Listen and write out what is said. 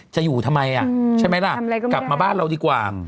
จะอยู่ทำไมอ่ะใช่ไหมล่ะทำอะไรก็ไม่ได้กลับมาบ้านเราดีกว่า